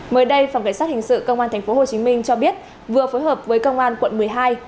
mới đây phòng vệ sát hình sự công an tp hcm cho biết vừa phối hợp với công an quận một mươi hai